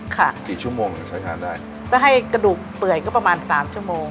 เลยถ้าให้กระดูกเปื่อยก็ประมาณสี่ชั่วโมง